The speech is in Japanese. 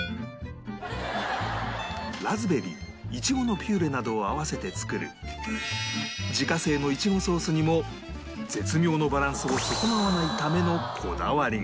ラズベリーイチゴのピューレなどを合わせて作る自家製のイチゴソースにも絶妙のバランスを損なわないためのこだわりが